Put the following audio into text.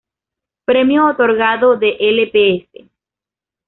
Premio otorgado de Lps.